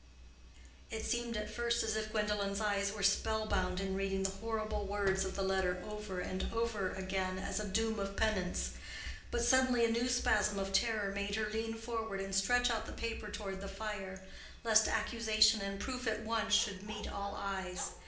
It seemed at first as if Gwendolen's eyes were spell bound in reading the horrible words of the letter over and over again as a doom of penance; but suddenly a new spasm of terror made her lean forward and stretch out the paper toward the fire, lest accusation and proof at once should meet all eyes.